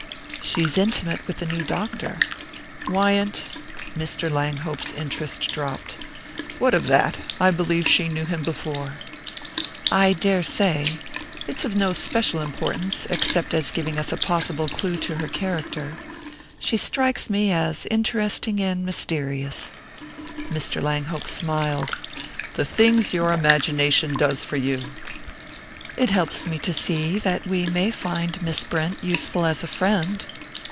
"She's intimate with the new doctor." "Wyant?" Mr. Langhope's interest dropped. "What of that? I believe she knew him before." "I daresay. It's of no special importance, except as giving us a possible clue to her character. She strikes me as interesting and mysterious." Mr. Langhope smiled. "The things your imagination does for you!" "It helps me to see that we may find Miss Brent useful as a friend."